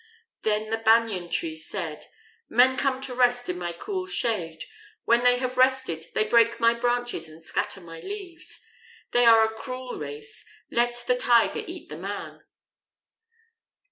Then the Banyan tree said: "Men come to rest in my cool shade. When they have rested, they break my branches and scatter my leaves. They are a cruel race. Let the Tiger eat the man."